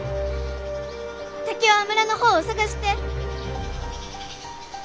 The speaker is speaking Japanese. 竹雄は村の方を捜して！